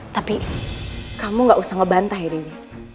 tapi kamu gak usah ngebantah ya dedy